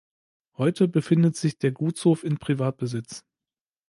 Heute befindet sich der Gutshof in Privatbesitz.